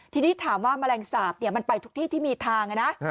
ทีนี้ถามว่าแมลงสาปมันไปทุกที่ที่มีทางนะ